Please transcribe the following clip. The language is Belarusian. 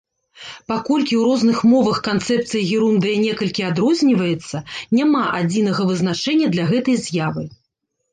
Паколькі ў розных мовах канцэпцыя герундыя некалькі адрозніваецца, няма адзінага вызначэння для гэтай з'явы.